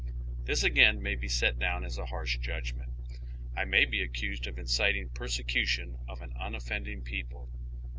This again may he set down as a harsh judgment. I may be accused of inciting persecution of an unoffending people.